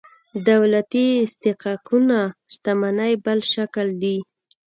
دولتي استحقاقونه شتمنۍ بل شکل دي.